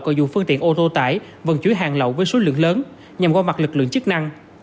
và dùng phương tiện ô tô tải vận chuyển hàng lậu với số lượng lớn nhằm qua mặt lực lượng chức năng